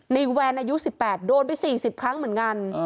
แวนอายุ๑๘โดนไป๔๐ครั้งเหมือนกัน